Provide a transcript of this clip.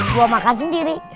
gue makan sendiri